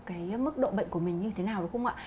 cái mức độ bệnh của mình như thế nào đúng không ạ